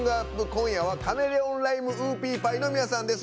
今夜はカメレオン・ライム・ウーピーパイの皆さんです。